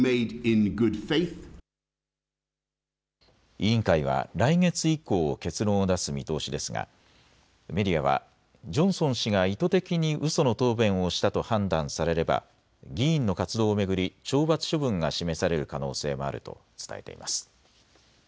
委員会は来月以降、結論を出す見通しですがメディアはジョンソン氏が意図的にうその答弁をしたと判断されれば議員の活動を巡り懲罰処分が示される可能性もあると伝えています。